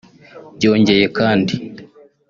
Byongeye kandi